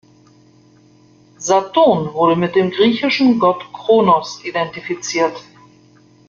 Saturn wurde mit dem griechischen Gott Kronos identifiziert.